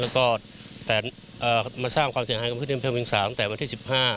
แล้วก็แต่มาสร้างความเสียหายกับพื้นที่อำเภอเวียงสาตั้งแต่วันที่๑๕